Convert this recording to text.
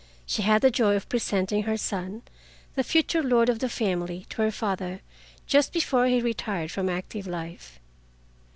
She had the joy of presenting her son, the future lord of the family, to her father just before he retired from active life.